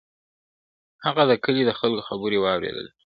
هغه د کلي د خلکو خبرې واورېدلې.